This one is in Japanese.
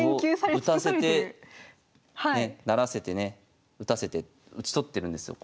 歩を打たせて成らせてね打たせて打ち取ってるんですよ。